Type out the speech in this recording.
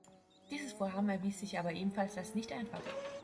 Dieses Vorhaben erwies sich aber ebenfalls als nicht einfach.